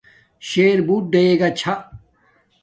شر بوٹ ڈگا چھا